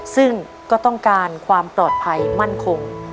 ซึ่งก็ต้องการความปลอดภัยมั่นคง